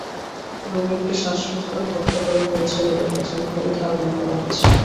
রুবেলকে শ্বাসরোধ করে হত্যা করা হয়েছে বলে প্রাথমিকভাবে ধারণা করা হচ্ছে।